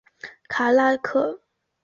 卡那刻。